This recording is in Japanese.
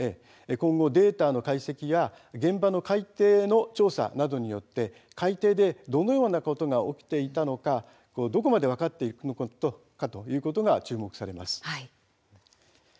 今後、データの解析や現場の海底の調査などによって海底で何が起きていたのかどこまで分かるのかというところが注目されると思います。